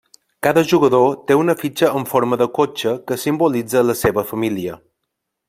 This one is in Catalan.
Cada jugador té una fitxa en forma de cotxe que simbolitza la seva família.